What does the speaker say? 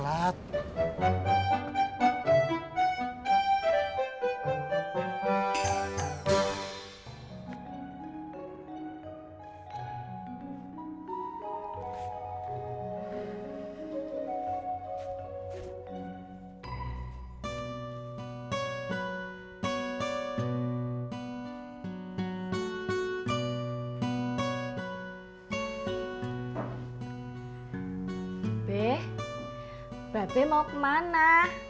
bape bape mau kemana